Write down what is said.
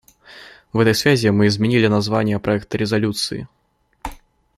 В этой связи мы изменили название проекта резолюции.